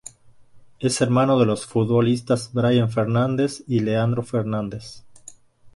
Es hermano de los futbolistas Brian Fernández y Leandro Fernández.